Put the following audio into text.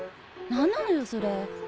何なのよそれ。